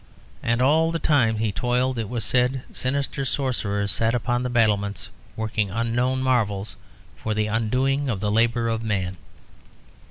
And all the time he toiled, it was said, sinister sorcerers sat upon the battlements, working unknown marvels for the undoing of the labour of man.